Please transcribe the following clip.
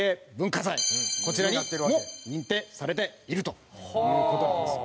こちらにも認定されているという事なんですよ。